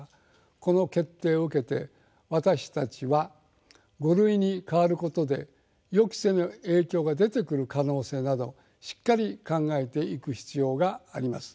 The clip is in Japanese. この決定を受けて私たちは「５類」に変わることで予期せぬ影響が出てくる可能性などしっかり考えていく必要があります。